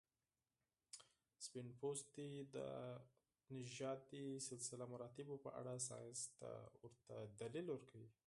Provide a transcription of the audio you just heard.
سپین پوستي د نژادي سلسله مراتبو په اړه ساینس ته ورته دلیل ورکوي.